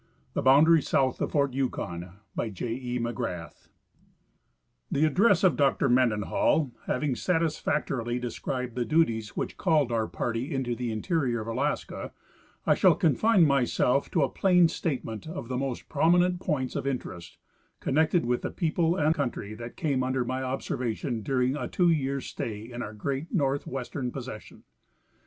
II— THE BOUNDARY SOUTH OF FORT YUKON BY J. E. 'McGRATH The address of Dr Mendenhall having satisfactorily described the duties which called our party into the interior of Alaska, I shall confine myself to a plain statement of the most prominent points of interest connected Avith the people and country that came under my observation during a two years' stay in our great northwestern possession.